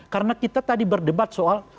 karena kita tadi berdebat soal